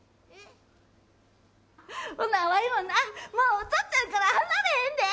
ほんならわいもな、おとっつぁんから離れへんで。